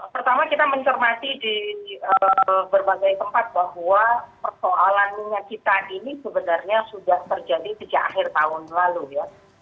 pertama kita mencermati di berbagai tempat bahwa persoalan minyak kita ini sebenarnya sudah terjadi sejak akhir tahun lalu ya